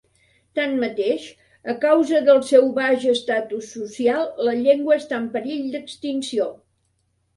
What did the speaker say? Tanmateix, a causa del seu baix estatus social la llengua està en perill d'extinció.